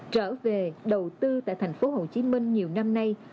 trở về đầu tư tại thành phố hồ chí minh nhiều năm nay